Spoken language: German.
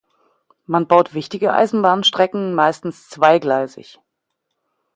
Man baut wichtige Eisenbahnstrecken meistens zweigleisig.